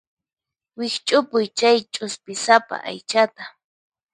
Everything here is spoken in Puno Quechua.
Wikch'upuy chay ch'uspisapa aychata.